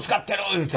言うて。